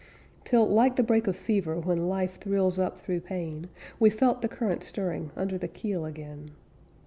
Till, like the break of fever When life thrills up through pain, We felt the current stirring Under the keel again.